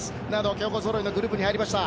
強豪ぞろいのグループに入りました。